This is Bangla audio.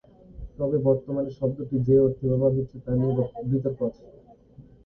তবে বর্তমানের শব্দটি যে অর্থে ব্যবহার হচ্ছে, তা নিয়ে বিতর্ক আছে।